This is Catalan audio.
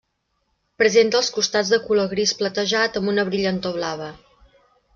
Presenta els costats de color gris platejat amb una brillantor blava.